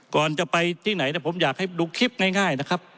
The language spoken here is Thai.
ก่อนจะไปที่ไหนผมอยากให้ดูคลิปง่ายนะครับ